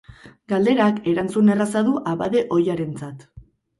Galderak erantzun erraza du abade ohiarentzat.